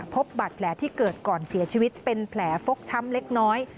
พบบาดแผลที่เกิดก่อนเสียชีวิตเป็นแผลฟกช้ำเล็กน้อย